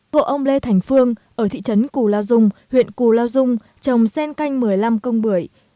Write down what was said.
hộ ông lê thành phương ở thị trấn cù lao dung huyện cù lao dung trồng sen canh một mươi năm công bưởi